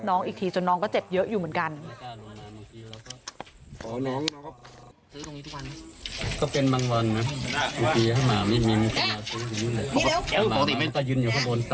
พอปกติมันต้องยืนอยู่ข้างบนต่างอย่างนี้